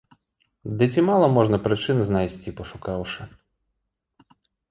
Ды ці мала можна прычын знайсці, пашукаўшы.